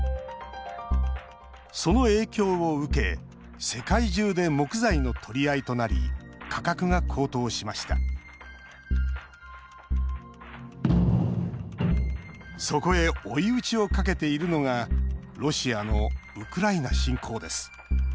その影響を受け、世界中で木材の取り合いとなり価格が高騰しましたそこへ追い打ちをかけているのがロシアのウクライナ侵攻です。